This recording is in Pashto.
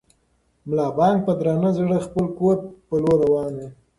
ملا بانګ په درانه زړه د خپل کور په لور روان و.